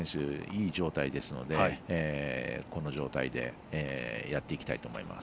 いい状態なのでこの状態でやっていきたいと思います。